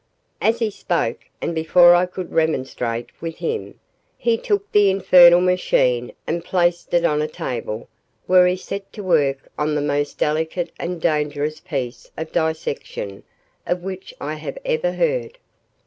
As he spoke, and before I could remonstrate with him, he took the infernal machine and placed it on a table where he set to work on the most delicate and dangerous piece of dissection of which I have ever heard.